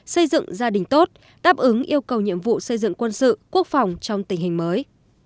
xây dựng gia đình tốt đáp ứng yêu cầu nhiệm vụ xây dựng quân sự quốc phòng trong tình hình mới